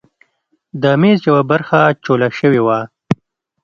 د میز یوه برخه چوله شوې وه.